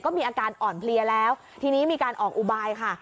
ก็มีอาการอ่อนเพลียแล้วทีนี้มีการออกอุบายค่ะ